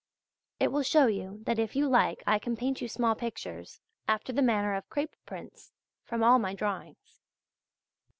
It will show you that if you like I can paint you small pictures, after the manner of crape prints, from all my drawings.